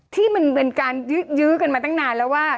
ที่มันเป็นการยื้อกันมาตั้งนานแล้วว่า